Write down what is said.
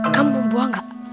kamu buah gak